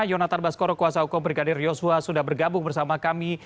yonatan baskoro kuasa hukum brigadir yosua sudah bergabung bersama kami